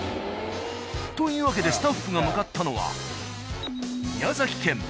というわけでスタッフが向かったのは。